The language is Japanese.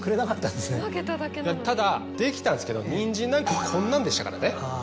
ただできたんですけどニンジンなんかこんなんでしたからね。